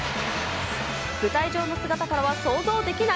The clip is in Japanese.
舞台上の姿からは想像できない？